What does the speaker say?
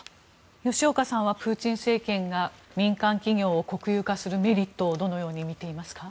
吉岡さんはプーチン政権が民間企業を国有化するメリットをどのように見ていますか。